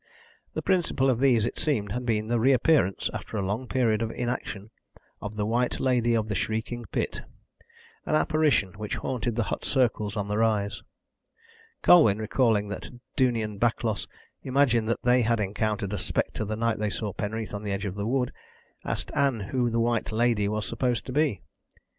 The principal of these, it seemed, had been the reappearance, after a long period of inaction, of the White Lady of the Shrieking Pit an apparition which haunted the hut circles on the rise. Colwyn, recalling that Duney and Backlos imagined they had encountered a spectre the night they saw Penreath on the edge of the wood, asked Ann who the "White Lady" was supposed to be.